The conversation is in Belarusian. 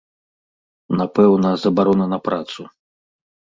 Напэўна, забарона на працу.